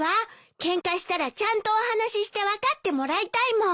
ケンカしたらちゃんとお話しして分かってもらいたいもん。